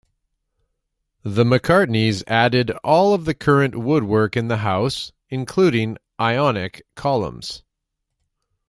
The McCartneys added all of the current woodwork in the house, including ionic columns.